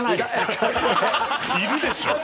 いるでしょ！